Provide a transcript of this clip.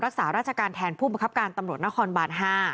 รักษาราชการแทนผู้บังคับการตำรวจนครบาน๕